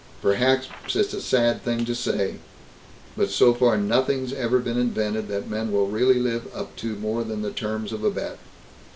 Perhaps it's a sad thing to say, but so far nothing's ever been invented that men will really live up to more than the terms of a bet.